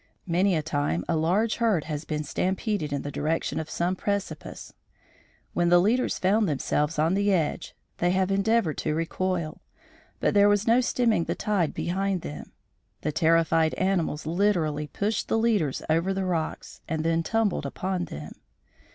Many a time a large herd has been stampeded in the direction of some precipice. When the leaders found themselves on the edge, they have endeavored to recoil; but there was no stemming the tide behind them. The terrified animals literally pushed the leaders over the rocks and then tumbled upon them.